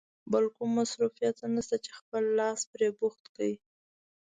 بل کوم مصروفیت نشته چې خپل لاس پرې بوخت کړې.